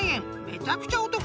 ［めちゃくちゃお得だぞ！］